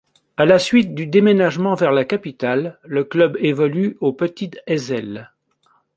À la suite du déménagement vers la capitale, le club évolue au Petit Heysel.